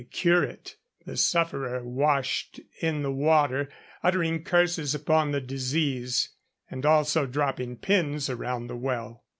cure it. The sufferer washed in the water, uttering curses upon the disease, and also dropping pins around the well.